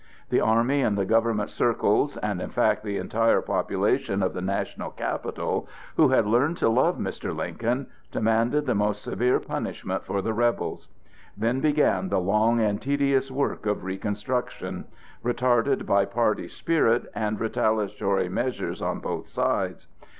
The army and the government circles, and in fact the entire population of the national capital, who had learned to love Mr. Lincoln, demanded the most severe punishment for the rebels. Then began the long and tedious work of reconstruction, retarded by party spirit and retaliatory measures on both sides.